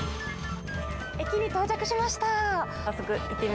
駅に到着しました。